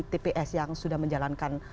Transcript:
tps yang sudah menjalankan